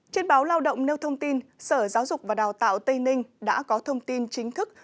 trên báo lao động nêu thông tin sở giáo dục và đào tạo tây ninh đã có thông tin chính thức